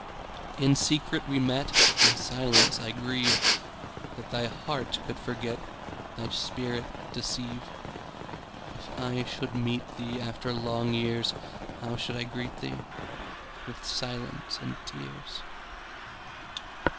In secret we met:In silence I grieveThat thy heart could forget, Thy spirit deceive. If I should meet theeAfter long years, How should I greet thee?—With silence and tears.